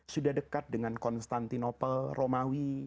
sudah dekat dengan konstantinopel romawi